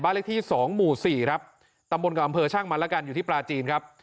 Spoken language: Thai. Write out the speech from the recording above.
เลขที่สองหมู่สี่ครับตำบลกับอำเภอช่างมันแล้วกันอยู่ที่ปลาจีนครับ